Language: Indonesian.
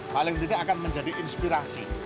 paling tidak akan menjadi inspirasi